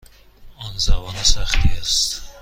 آن زبان سختی است.